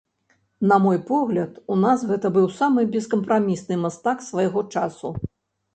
На мой погляд, у нас гэта быў самы бескампрамісны мастак свайго часу.